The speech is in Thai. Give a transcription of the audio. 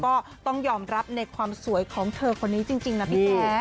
ก็ต้องยอมรับในความสวยคุณผู้ชมคนนี้จริงนะพี่แพร่